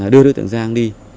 đưa đối tượng giang đi